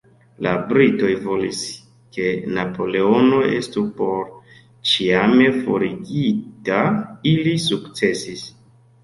La Britoj volis ke Napoleono estu porĉiame forigita; ili sukcesis.